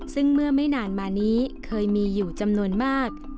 ซึ่งเมื่อไม่นานมานี้เคยมีอยู่จำนวนมาก